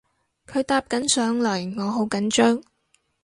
佢搭緊上嚟我好緊張